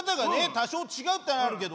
多少違うってのはあるけど。